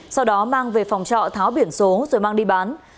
sau đó mang về phòng trọ tháo biển số rồi mang đi bán